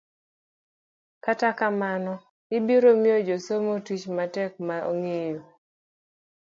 kata kamano, ibiro miyo jasomo tich matek mar ng'eyo